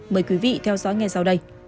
mời quý vị theo dõi ngay sau đây